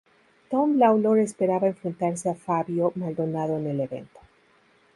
Tom Lawlor esperaba enfrentarse a Fábio Maldonado en el evento.